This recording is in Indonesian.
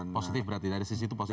positif berarti dari sisi itu positif